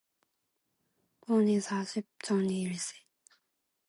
돈이 사십 전일세.